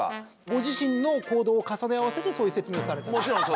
ご自身の行動を重ね合わせてそういう説明をされたんですね？